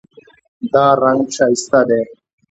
دا رنګ ښایسته دی